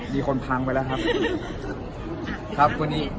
มีคนพังไปแล้วครับครับ